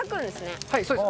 中丸：はい、そうです。